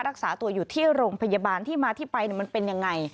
รักษาตัวอยู่ที่โรงพยาบาลที่มาที่ไปมันเป็นยังไง